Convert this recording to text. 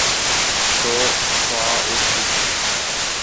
তো, হওয়া উচিত।